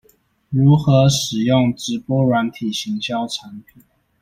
如何使用直播軟體行銷產品